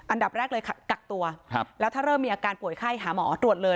อันดับแรกเลยกักตัวแล้วถ้าเริ่มมีอาการป่วยไข้หาหมอตรวจเลย